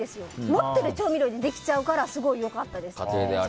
持っている調味料でできちゃうから良かったです。